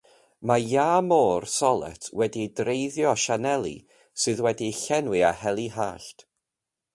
Mae iâ môr solet wedi'i dreiddio â sianeli sydd wedi'i llenwi â heli hallt.